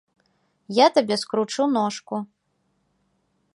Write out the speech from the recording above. Я табе скручу ножку.